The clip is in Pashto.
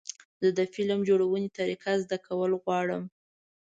زه د فلم جوړونې طریقه زده کول غواړم.